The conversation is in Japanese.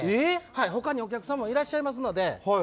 他にお客さんもいらっしゃいますので。